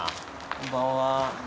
こんばんは。